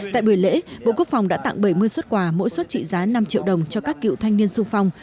tại buổi lễ bộ quốc phòng đã tặng bảy mươi suất quà mỗi suất trị giá năm triệu đồng cho các cựu thanh niên xuân phong